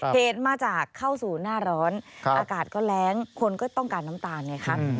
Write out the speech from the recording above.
เหตุมาจากเข้าสู่หน้าร้อนอากาศก็แรงคนก็ต้องการน้ำตาลไงคะ